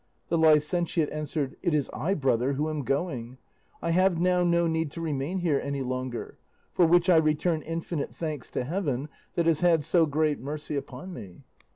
The licentiate answered, 'It is I, brother, who am going; I have now no need to remain here any longer, for which I return infinite thanks to Heaven that has had so great mercy upon me.